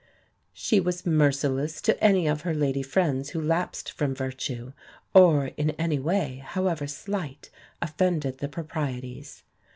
She was merciless to any of her lady friends who lapsed from virtue, or in any way, however slight, offended the proprieties.